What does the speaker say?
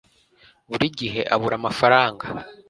Buri gihe abura amafaranga.